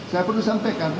saya perlu sampaikan